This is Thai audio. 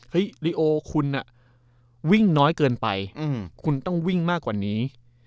ลีโอคุณวิ่งน้อยเกินไปคุณต้องวิ่งมากกว่านี้